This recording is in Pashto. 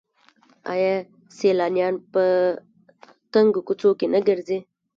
آیا سیلانیان په تنګو کوڅو کې نه ګرځي؟